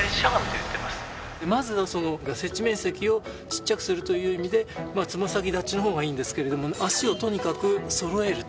まずは接地面積をちっちゃくするという意味でまあつま先立ちの方がいいんですけれども足をとにかく揃えると。